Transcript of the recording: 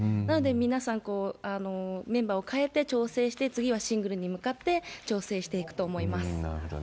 なので皆さん、メンバーを変えて調整して、次はシングルに向かって調整していくと思います。